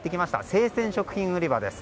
生鮮食品売り場です。